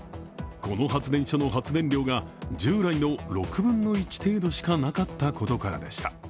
この発電所の発電量が従来の６分の１程度しかなかったことからでした